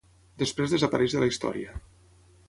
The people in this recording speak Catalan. Després desapareix de la història.